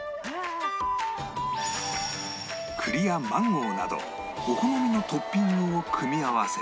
栗やマンゴーなどお好みのトッピングを組み合わせて